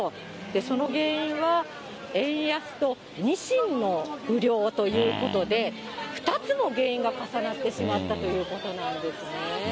その原因は、円安とニシンの不漁ということで、２つの原因が重なってしまったということなんですね。